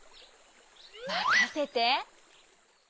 まかせて！